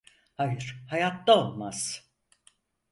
Hayır, hayatta olmaz.